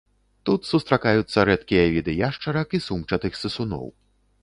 Тут сустракаюцца рэдкія віды яшчарак і сумчатых сысуноў.